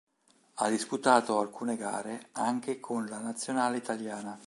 Ha disputato alcune gare anche con la Nazionale Italiana.